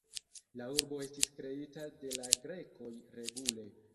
La urbo estis kreita de la grekoj regule.